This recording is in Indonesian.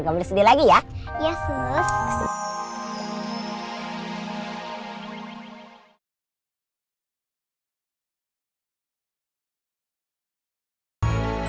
gak boleh sedih lagi ya yes